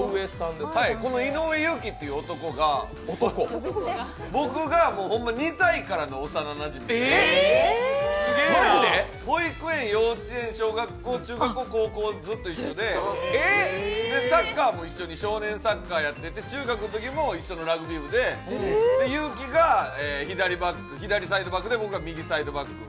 この井上裕基という男が僕が２歳からの幼なじみで保育園、幼稚園、小学校中学校、高校とずっと一緒で、サッカーも一緒に少年サッカーやってて、中学のときも一緒のラグビー部で、裕基が左サイドバックで僕が右サイドバック。